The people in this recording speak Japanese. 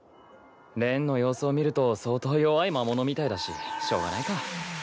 錬の様子を見ると相当弱い魔物みたいだししょうがないか。